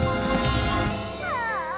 「ああ」